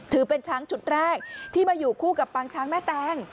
ถือเป็นช้างชุดแรกที่มาอยู่คู่กับปางช้างแม่แตง